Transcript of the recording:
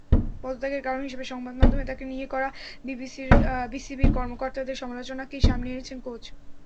পদত্যাগের কারণ হিসেবে সংবাদমাধ্যমে তাঁকে নিয়ে করা বিসিবির কর্মকর্তাদের সমালোচনাকেই সামনে এনেছেন কোচ।